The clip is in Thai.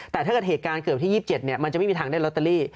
แต่ถ้าเกิดเหตุการณ์เกิดวันที่๒๗มันจะไม่มีทางได้ลอตเตอรี่